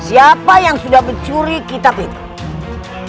siapa yang sudah mencuri kitab itu